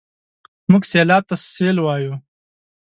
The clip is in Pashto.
موږ سېلاب ته سېل وايو.